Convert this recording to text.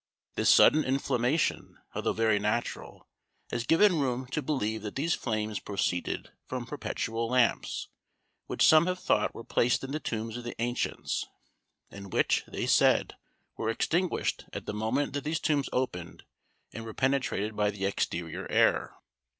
_" This sudden inflammation, although very natural, has given room to believe that these flames proceeded from perpetual lamps, which some have thought were placed in the tombs of the ancients, and which, they said, were extinguished at the moment that these tombs opened, and were penetrated by the exterior air.